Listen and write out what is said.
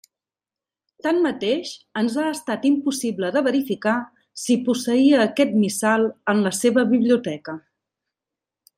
Tanmateix, ens ha estat impossible de verificar si posseïa aquest missal en la seva biblioteca.